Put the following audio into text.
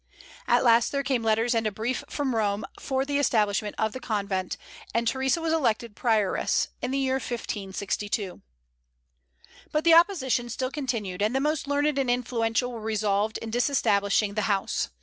At last there came letters and a brief from Rome for the establishment of the convent, and Theresa was elected prioress, in the year 1562. But the opposition still continued, and the most learned and influential were resolved on disestablishing the house.